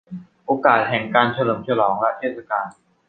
โอกาสแห่งการเฉลิมฉลองและเทศกาล